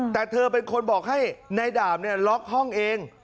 แต่เธอเป็นคนบอกให้นายดาบล็อกห้องเอง